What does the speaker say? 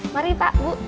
mari pak bu